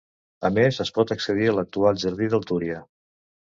A més, es pot accedir a l'actual jardí del Túria.